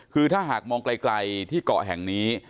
คือถ้าหากมองไกลที่เกาะแห่งนี้